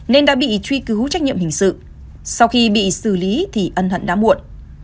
nên đã bị truy cứu trách nhiệm hình sự sau khi bị xử lý thì ân hận đã muộn